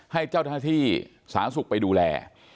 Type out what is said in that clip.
ให้เจ้าหน้าที่สาธารณสุขไปดูแล